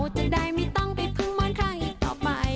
จะได้มิต้องไปเพิ่งม้อนไข้ต่อไป